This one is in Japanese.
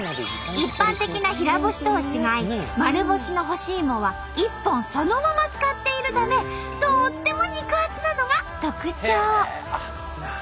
一般的な平干しとは違い丸干しの干しいもは一本そのまま使っているためとっても肉厚なのが特徴。